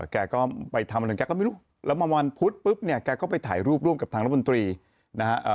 แกก็ไปทำอะไรแกก็ไม่รู้แล้วมาวันพุธปุ๊บเนี่ยแกก็ไปถ่ายรูปร่วมกับทางรัฐมนตรีนะฮะ